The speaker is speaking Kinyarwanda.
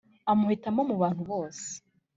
amuhitamo mu bantu bose.